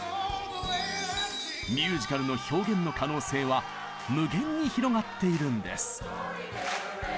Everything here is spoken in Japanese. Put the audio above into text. ミュージカルの表現の可能性は無限に広がっているんです。